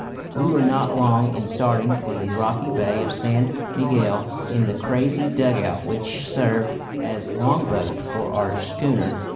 We were not long in starting for the rocky bay of San Miguel in the crazy dug out which served as longboat for our schooner.